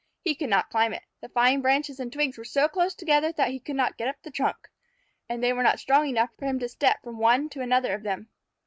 He could not climb it. The fine branches and twigs were so close together that he could not get up the trunk, and they were not strong enough for him to step from one to another of them.